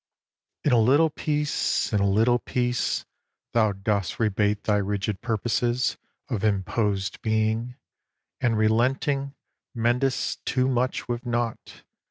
In a little peace, in a little peace, Thou dost rebate thy rigid purposes Of imposed being, and relenting, mend'st Too much, with nought.